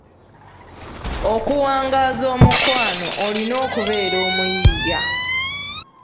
Okuwangaaza omukwano olina okubeera omuyiiya.